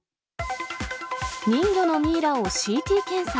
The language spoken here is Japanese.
人魚のミイラをＣＴ検査。